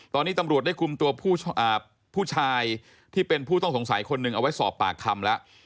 ตอนนี้ตำรวจได้คุมตัวผู้ชายที่เป็นผู้ต้องสงสัยคนหนึ่งเอาไว้สอบปากคำแล้ว